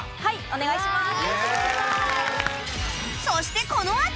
お願いします！